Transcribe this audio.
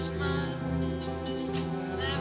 eh tunggu sebentar